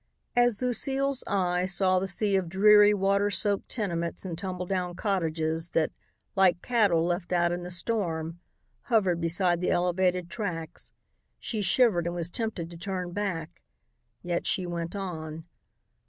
As Lucile's eye saw the sea of dreary, water soaked tenements and tumbledown cottages that, like cattle left out in the storm, hovered beside the elevated tracks, she shivered and was tempted to turn back yet she went on.